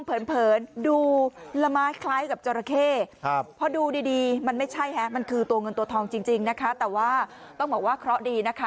คุณบูนนี่มัดแล้วค่ะ